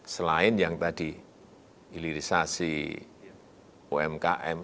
selain yang tadi hilirisasi umkm